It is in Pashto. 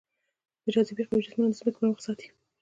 د جاذبې قوه جسمونه د ځمکې پر مخ ساتي.